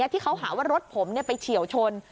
ที่เขาหาว่ารถผมไปเฉียวชน